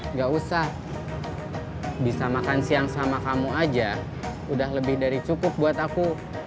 nggak usah bisa makan siang sama kamu aja udah lebih dari cukup buat aku